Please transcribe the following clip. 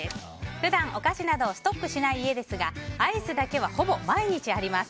普段お菓子などをストックしない家ですがアイスだけは、ほぼ毎日あります。